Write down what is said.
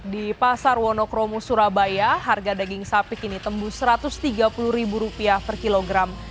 di pasar wonokromo surabaya harga daging sapi kini tembus rp satu ratus tiga puluh per kilogram